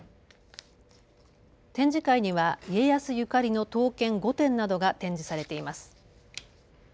展示会には家康ゆかりの刀剣５点などが展示されています。